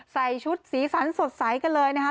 ใส่ชุดสีสันสดใสกันเลยนะคะ